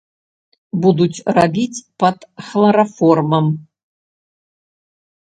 Будуць рабіць пад хлараформам.